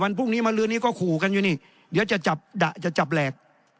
พรุ่งนี้มาลื้อนี้ก็ขู่กันอยู่นี่เดี๋ยวจะจับดะจะจับแหลก